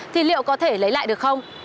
thì liệu có thể lấy lại được không